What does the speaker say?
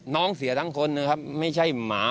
น้องเสียทั้งคนนะครับไม่ใช่หมา